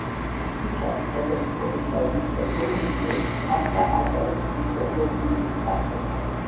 ქუჩა, სადაც ცხოვრობდა ვიქტორ გოგლიძე ახლა ატარებს ვიქტორ გოგლიძის სახელს.